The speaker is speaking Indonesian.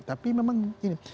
tapi memang ini